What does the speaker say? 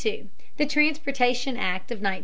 THE TRANSPORTATION ACT OF 1920.